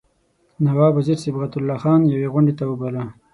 نواب وزیر صبغت الله خان یوې غونډې ته وباله.